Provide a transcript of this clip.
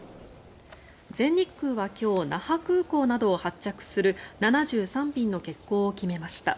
全日空は今日那覇空港などを発着する７３便の欠航を決めました。